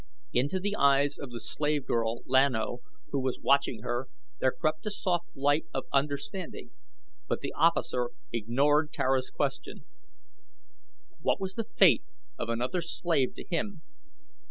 Into the eyes of the slave girl, Lan O, who was watching her, there crept a soft light of understanding; but the officer ignored Tara's question what was the fate of another slave to him?